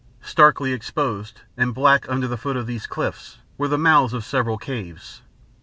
Starkly exposed and black under the foot of these cliffs were the mouths of several caves.